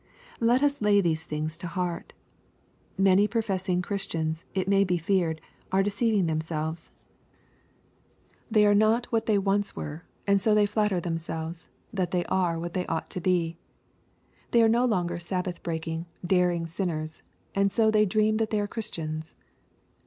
Let us lay these things to heart. Many professing Chris tians, it may be feared, aredereiving themselves. They are LUKE, CHAP. XI. 27 Dot what they once were, and so they flatter themselves, they are what they ought to be. They are no longer sabbath breaking, daring sinners, and so they dream that they are Christians.